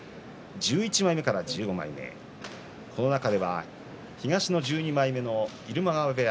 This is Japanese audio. １１枚目から１５枚目この中では東２２枚目の入間川部屋